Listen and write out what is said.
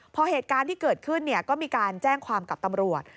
พอเหตุการณ์ที่เกิดขึ้นก็มีการแจ้งความกับตำรวจ